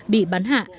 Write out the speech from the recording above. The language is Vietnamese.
bị bắn hạ